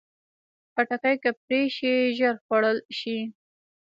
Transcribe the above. خټکی که پرې شي، ژر خوړل شي.